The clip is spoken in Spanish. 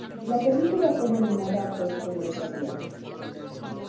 La película fue nominada a tres Premios Ariel.